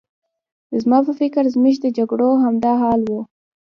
زما په فکر زموږ د جګړو همدا حال و.